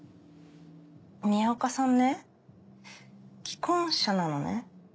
宮岡さんね既婚者なのね。